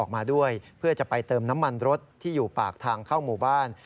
ออกมาด้วยเพื่อจะไปเติมน้ำมันรถที่อยู่ปากทางเข้าหมู่บ้าน